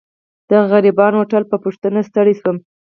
د غريبانه هوټل په پوښتنه ستړی شوم.